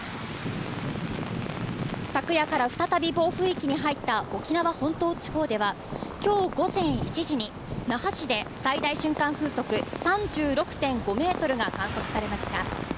昨夜から再び暴風域に入った沖縄本島地方では今日午前１時に那覇市で最大瞬間風速３６．５メートルが観測されました。